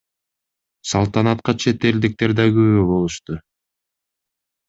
Салтанатка чет элдиктер да күбө болушту.